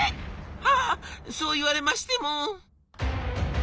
「はあそう言われましても」。